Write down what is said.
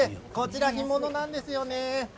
こちら干物なんですよね。